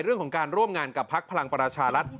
เรื่องของการร่วมงานกับพักพลังประชารัฐ